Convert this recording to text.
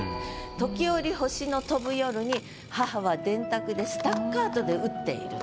時折星の飛ぶ夜に母は電卓でスタッカートで打っていると。